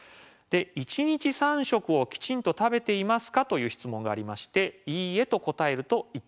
「１日３食をきちんと食べていますか」という質問がありまして「いいえ」と答えると１点です。